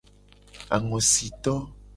Angosito.